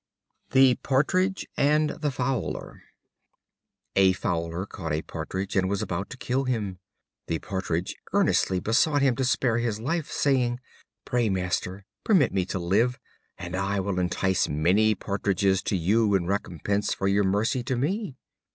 The Partridge and the Fowler. A Fowler caught a Partridge, and was about to kill him. The Partridge earnestly besought him to spare his life, saying: "Pray, master, permit me to live, and I will entice many Partridges to you in recompense for your mercy to me."